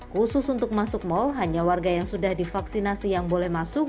khusus untuk masuk mal hanya warga yang sudah divaksinasi yang boleh masuk